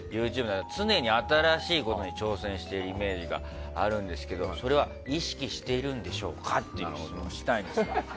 常に新しいことに挑戦しているイメージがあるんですがそれは意識しているんでしょうかっていう質問をしたいんですよ。